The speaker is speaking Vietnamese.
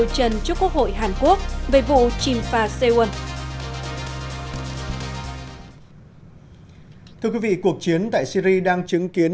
thưa quý vị cuộc chiến tại syri đang chứng kiến